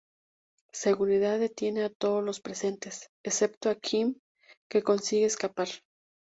Seguridad detiene a todos los presentes, excepto a Quinn que consigue escapar.